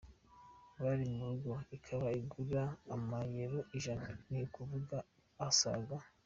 bari mu rugo ikaba igura amayero ijana, ni ukuvuga asaga